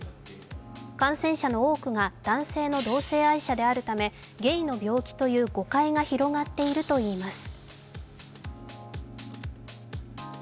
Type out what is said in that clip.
感染者の多くが男性の同性愛者であるため、ゲイの病気であるという誤解が広がっているといいます。